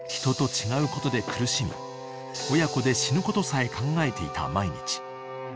［人と違うことで苦しみ親子で死ぬことさえ考えていた毎日］